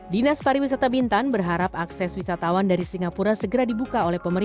dinas pariwisata bintan berharap akses wisatawan dari singapura segera dibuka